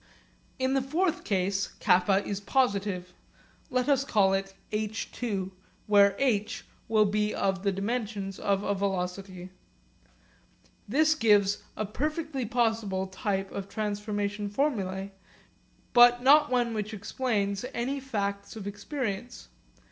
In the fourth case, k is positive. Let us call it h², where h will be of the dimensions of a velocity. This gives a perfectly possible type of transformation formulae, but not one which explains any facts of experience.